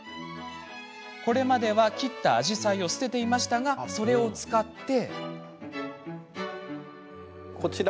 これまでは切った紫陽花を捨てていましたがそれを使って。